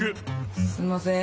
すいません。